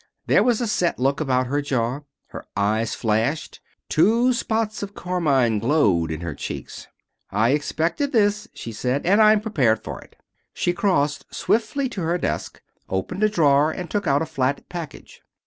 There was a set look about her jaw. Her eyes flashed. Two spots of carmine glowed in her cheeks. "I expected just this," she said. "And I prepared for it." She crossed swiftly to her desk, opened a drawer, and took out a flat package.